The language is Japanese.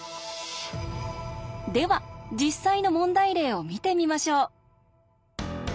では実際の問題例を見てみましょう。